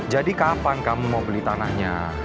jadi kapan kamu mau beli tanahnya